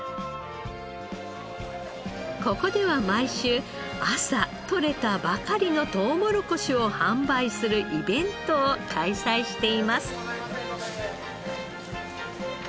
ここでは毎週朝採れたばかりのとうもろこしを販売するイベントを開催しています。